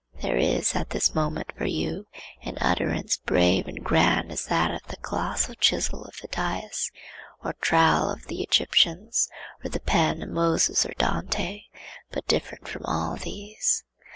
There is at this moment for you an utterance brave and grand as that of the colossal chisel of Phidias, or trowel of the Egyptians, or the pen of Moses or Dante, but different from all these.